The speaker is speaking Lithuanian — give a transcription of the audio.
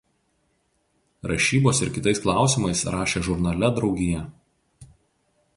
Rašybos ir kitais klausimais rašė žurnale „Draugija“.